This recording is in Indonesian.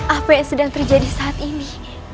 apa yang sedang terjadi saat ini